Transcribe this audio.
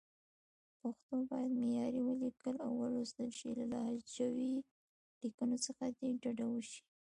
پښتو باید معیاري ولیکل او ولوستل شي، له لهجوي لیکنو څخه دې ډډه وشي.